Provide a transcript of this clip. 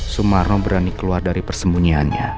sumarno berani keluar dari persembunyiannya